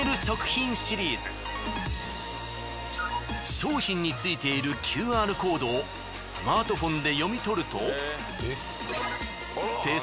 商品についているＱＲコードをスマートフォンで読み取ると。